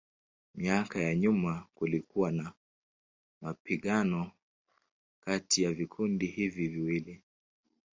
Miaka ya nyuma kulikuwa na mapigano kati ya vikundi hivi viwili.